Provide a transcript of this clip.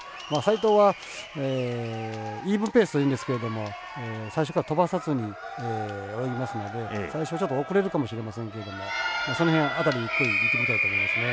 齋藤はイーブンペースというんですけれども最初から飛ばさずに泳ぎますので最初、ちょっと遅れるかもしれませんけれどもその辺り、ゆっくり見てみたいと思いますね。